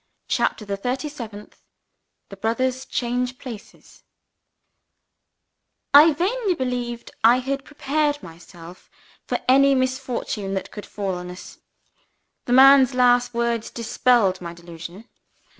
CHAPTER THE THIRTY SEVENTH The Brothers change Places I VAINLY believed I had prepared myself for any misfortune that could fall on us. The man's last words dispelled my delusion.